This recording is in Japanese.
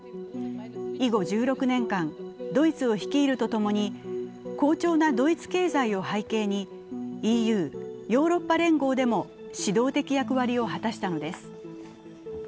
以後１６年間、ドイツを率いるとともに好調なドイツ経済を背景にＥＵ＝ヨーロッパ連合でも指導的役割を果たしたのです。